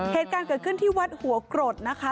เหตุการณ์เกิดขึ้นที่วัดหัวกรดนะคะ